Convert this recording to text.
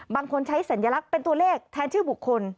บางคนใช้สัญลักษณ์เป็นตัวเลขแทนชื่อบุคคล